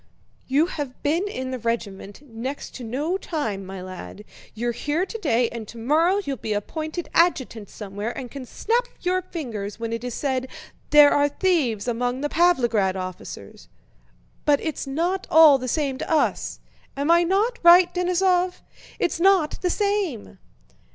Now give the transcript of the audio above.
"You have been in the regiment next to no time, my lad, you're here today and tomorrow you'll be appointed adjutant somewhere and can snap your fingers when it is said 'There are thieves among the Pávlograd officers!' But it's not all the same to us! Am I not right, Denísov? It's not the same!"